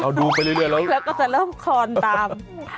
เอาดูไปเรื่อยแล้วก็จะเริ่มคอนตาม